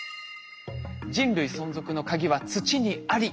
「人類存続のカギは土にあり！」。